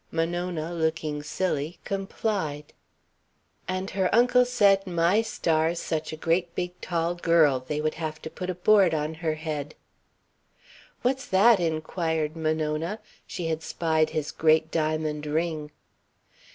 Monona, looking silly, complied. And her uncle said my stars, such a great big tall girl they would have to put a board on her head. "What's that?" inquired Monona. She had spied his great diamond ring.